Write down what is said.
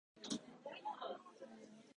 厚着をする